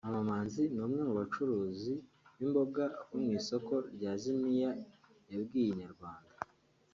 Mama Manzi n’umwe mu bacuruzi b’imboga bo mu isoko rya Ziniya yabwiye inyarwanda